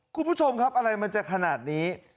คุณผู้ชมครับอะไรมันจะขนาดนี้